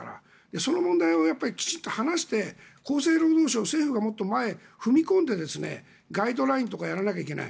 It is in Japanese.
その問題をきちんと話して厚生労働省や政府がもっと前へ踏み込んでガイドラインとかやらなきゃいけない。